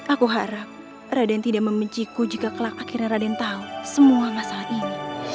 aku harap raden tidak membenciku jika kelak akhirnya raden tahu semua masalah ini